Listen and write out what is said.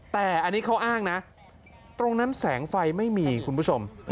แต่อันนี้เขาอ้างนะตรงนั้นแสงไฟไม่มีคุณผู้ชม